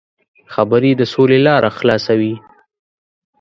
خبرې د سولې لاره خلاصوي.